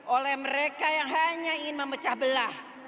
oleh mereka yang hanya ingin memecah belah